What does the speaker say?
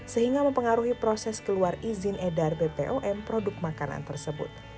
sehingga mempengaruhi proses keluar izin edar bpom produk makanan tersebut